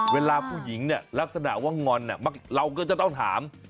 เวลาผู้หญิงเนี่ยลักษณะว่างอนเราก็จะต้องถาม